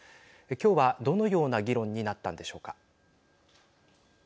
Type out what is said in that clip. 今日はどのような議論になったんでしょうか。